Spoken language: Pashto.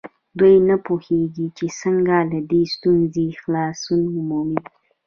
دوی نه پوهېږي چې څنګه له دې ستونزې خلاصون ومومي.